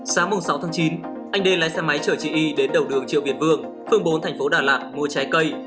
sáng sáu tháng chín anh đê lái xe máy chở chị y đến đầu đường triệu việt vương phường bốn thành phố đà lạt mua trái cây